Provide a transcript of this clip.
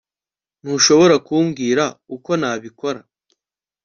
ntushobora kumbwira uko nabikora